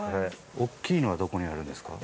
大きいのはどこにあるんですか？